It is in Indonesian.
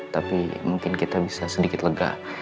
tapi mungkin kita bisa sedikit lega